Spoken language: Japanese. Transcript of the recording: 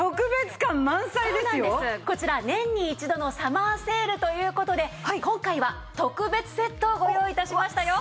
こちら年に一度のサマーセールという事で今回は特別セットをご用意致しましたよ。